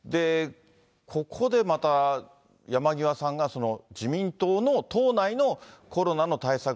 ここでまた山際さんが自民党の党内のコロナの対策